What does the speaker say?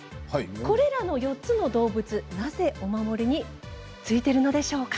これらの４つの動物なぜ、お守りに付いているのでしょうか。